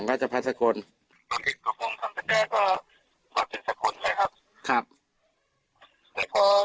เขาก็บอกว่า